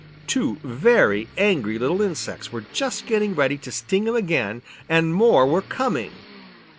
Two very angry little insects were just getting ready to sting him again, and more were coming.